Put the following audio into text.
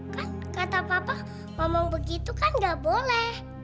kan kata papa ngomong begitu kan nggak boleh